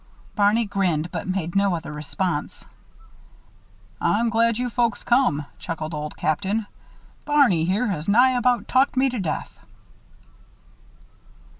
Barney grinned, but made no other response. "I'm glad you folks come," chuckled Old Captain. "Barney here has nigh about talked me to death."